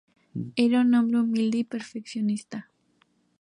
Era un hombre humilde y perfeccionista.